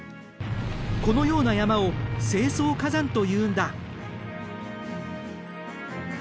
このような山を成層火山というんだ。